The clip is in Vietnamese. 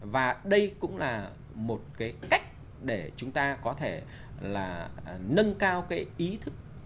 và đây cũng là một cái cách để chúng ta có thể là nâng cao cái ý thức